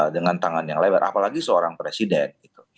dengan tangan yang lebar apalagi seorang presiden